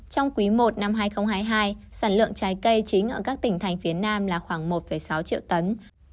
trong quý i năm hai nghìn hai mươi hai sản lượng trái cây chính ở các tỉnh thành phía nam là khoảng một sáu triệu tấn